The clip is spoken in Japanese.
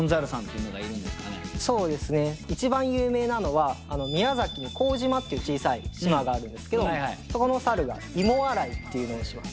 １番有名なのはあの宮崎に幸島っていう小さい島があるんですけどこの猿が「イモ洗い」ていうのをします